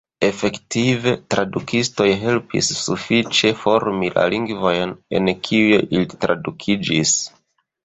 Efektive, tradukistoj helpis sufiĉe formi la lingvojn en kiuj ili tradukiĝis.